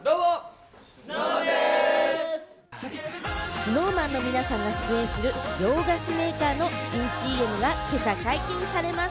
ＳｎｏｗＭａｎの皆さんが出演する、洋菓子メーカーの新ＣＭがようこそ！